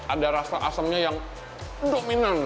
ada rasa asamnya yang dominan